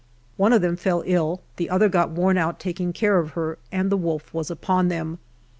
One of them fell ill, the other got worn out taking care of her, and the wolf was upon them.